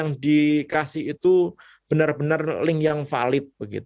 yang dikasih itu benar benar link yang valid